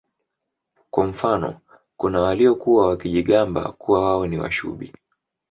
Kwa mfano kuna waliokuwa wakijigamba kuwa wao ni Washubi